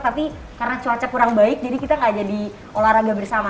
tapi karena cuaca kurang baik jadi kita nggak jadi olahraga bersama